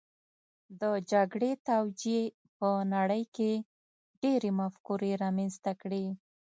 د جګړې توجیې په نړۍ کې ډېرې مفکورې رامنځته کړې